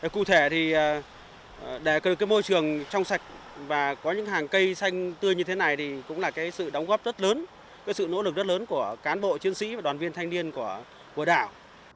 cụ thể thì để có được môi trường trong sạch và có những hàng cây xanh tươi như thế này thì cũng là sự đóng góp rất lớn sự nỗ lực rất lớn của cán bộ chiến sĩ và đoàn viên thanh niên của đảo